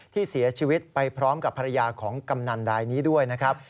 ที่เสียชีวิตไปพร้อมกับภรรยาของกำนันรายนี้ด้วยนะครับ